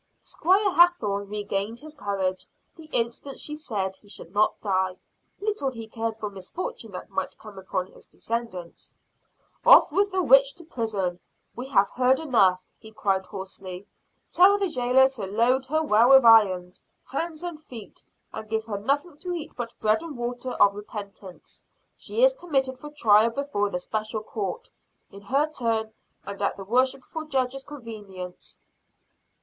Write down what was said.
Squire Hathorne regained his courage the instant she said he should not die, little he cared for misfortunes that might come upon his descendants. "Off with the witch to prison we have heard enough!" he cried hoarsely. "Tell the jailer to load her well with irons, hands and feet; and give her nothing to eat but bread and water of repentance. She is committed for trial before the special court, in her turn, and at the worshipful judges' convenience."